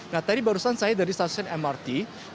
nah tadi barusan saya dari stasiun mrt